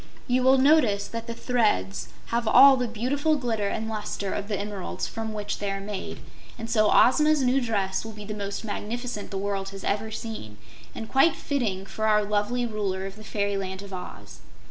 You will notice that the threads have all the beautiful glitter and luster of the emeralds from which they are made, and so Ozma's new dress will be the most magnificent the world has ever seen, and quite fitting for our lovely Ruler of the Fairyland of Oz."